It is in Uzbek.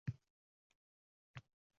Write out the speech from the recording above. Opa keling, och qoldim